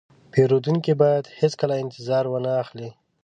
پیرودونکی باید هیڅکله انتظار وانهخلي.